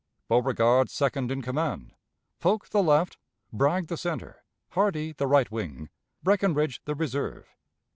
"Beauregard second in command, Polk the left, Bragg the center, Hardee the right wing, Breckinridge the reserve.